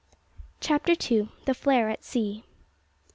CHAPTER II. THE FLARE AT SEA.